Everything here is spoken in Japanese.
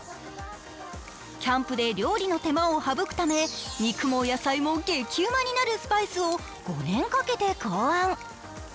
キャンプで料理の手間を省くため肉も野菜も激うまになるスパイスを５年かけて考案。